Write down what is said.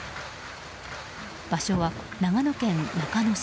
場所は長野県中野市。